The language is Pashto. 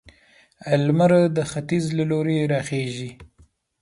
لمر د ختيځ له لوري راخيژي